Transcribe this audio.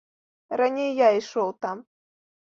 Раней я ішоў там.